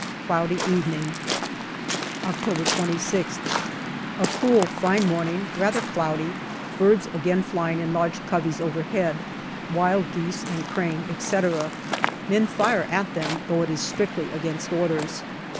Cloudy evening. October A cool, fine morning, rather cloudy. Birds again flying in large coveys overhead wild geese and crane, etc. ; men fire at them, though it is strictly against orders.